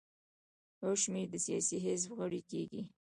یو شمېر د سیاسي حزب غړي کیږي.